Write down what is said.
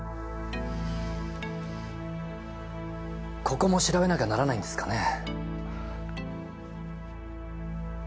ここも調べなきゃならないんですかね？